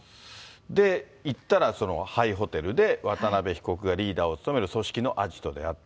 で、行ったら廃ホテルで、渡辺被告がリーダーを務める組織のアジトであった。